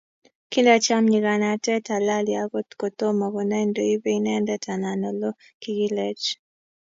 kindacham nyikanatet halali akot kotoma konai ndo ibe inendet anan olo, kikilech